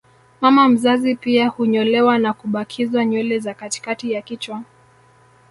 Mama mzazi pia hunyolewa na kubakizwa nywele za katikati ya kichwa